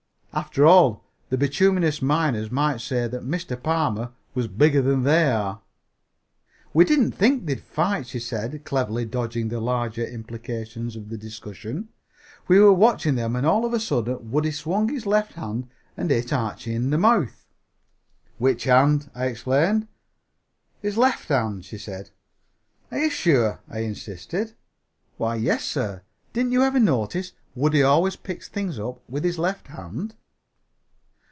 After all, the bituminous miners might say that Mr. Palmer was bigger than they are." "We didn't think they'd fight," she said, cleverly dodging the larger implications of the discussion. "We were watching them, and all of a sudden Woodie swung his left hand and hit Archie in the mouth." "Which hand?" I exclaimed. "His left hand," she said. "Are you sure?" I insisted. "Why, yes, sir. Didn't you ever notice Woodie always picks up things with his left hand?"